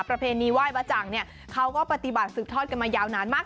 ประเพณีไหว้บ้าจังเนี่ยเขาก็ปฏิบัติสืบทอดกันมายาวนานมาก